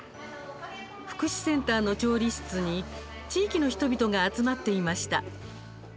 福祉センターの調理室に地域の人々が集まっていました。